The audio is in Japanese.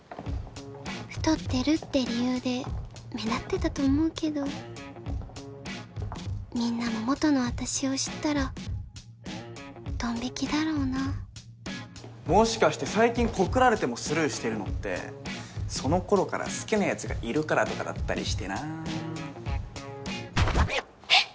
太ってるって理由で目立ってたと思うけどみんなも元の私を知ったらドン引きだろうなもしかして最近告られてもスルーしてるのってその頃から好きなヤツがいるからとかだったりしてなえっ！？